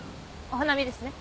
お花見ですね。